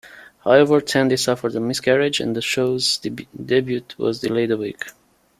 However, Tandy suffered a miscarriage and the show's debut was delayed a week.